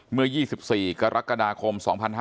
เมื่อ๒๔กรกฎาคม๒๕๕๙